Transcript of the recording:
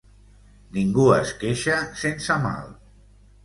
Ningú es queixa sense mal.